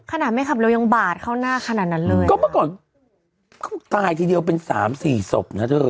ก็เมื่อก่อนอาคารตาย๓๔ศพ